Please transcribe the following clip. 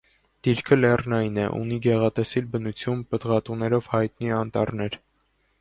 Դիրքը լեռնային է, ունի գեղատեսիլ բնություն, պտղատուներով հայտնի անտառներ։